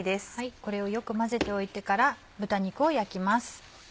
これをよく混ぜておいてから豚肉を焼きます。